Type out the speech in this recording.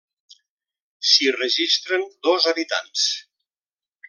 S'hi registren dos habitants.